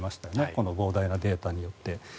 この膨大なデータによって。